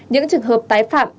những trường hợp tái phạm